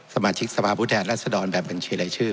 สมาชิกสภาพุทธแหล่ะสะดอนแบบบัญชีไร้ชื่อ